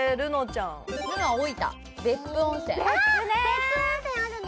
別府温泉あるね。